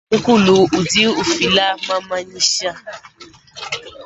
Mukulu udi ufila mamanyisha.